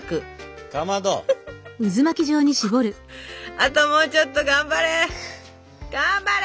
あともうちょっと頑張れ頑張れ！